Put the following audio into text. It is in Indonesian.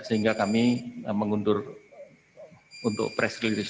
sehingga kami mengundur untuk press release